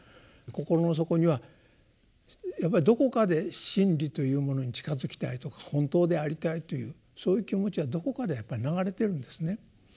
心の底にはやっぱりどこかで真理というものに近づきたいとか本当でありたいというそういう気持ちがどこかでやっぱり流れているんですね。